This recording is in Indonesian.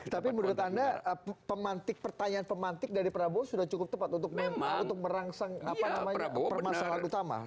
tapi menurut anda pertanyaan pemantik dari prabowo sudah cukup tepat untuk merangsang permasalahan utama